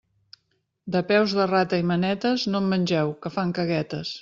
De peus de rata i manetes, no en mengeu, que fan caguetes.